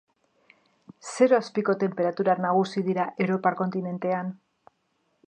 Zero azpiko tenperaturak nagusi dira europar kontinentean.